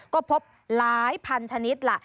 ก็พบหลายพันชนิดล่ะ